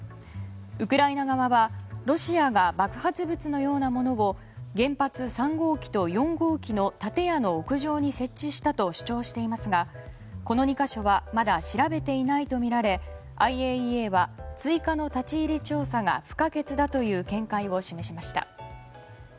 ウクライナ側はロシアが爆発物のようなものを原発３号機と４号機の建屋の屋上に設置したと主張していますがこの２か所はまだ調べていないとみられＩＡＥＡは追加の立ち入り調査が不可欠だという見解を示しました。